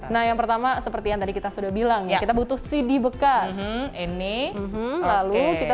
nah yang pertama seperti yang tadi kita sudah bilang ya kita butuh cd bekas ini lalu kita